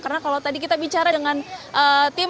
karena kalau tadi kita bicara dengan tim